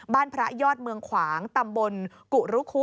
พระยอดเมืองขวางตำบลกุรุคุ